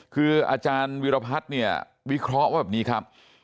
คืออาจารย์วิรพัฒน์เนี่ยวิเคราะห์ว่าแบบนี้ครับ